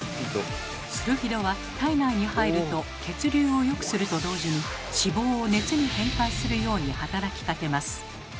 スルフィドは体内に入ると血流をよくすると同時に脂肪を熱に変換するように働きかけます。